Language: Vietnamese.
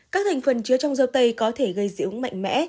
các thành phần chứa trong dầu tây có thể gây dị ứng mạnh mẽ